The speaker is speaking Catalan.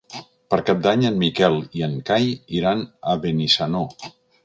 Per Cap d'Any en Miquel i en Cai iran a Benissanó.